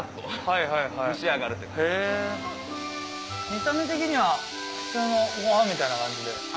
見た目的には普通のご飯みたいな感じで。